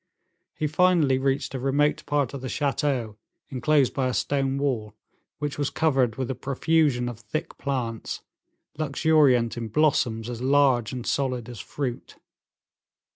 He finally reached a remote part of the chateau inclosed by a stone wall, which was covered with a profusion of thick plants, luxuriant in blossoms as large and solid as fruit.